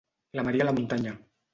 La Maria a la muntanya.